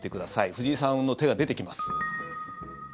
藤井さんの手が出てきます。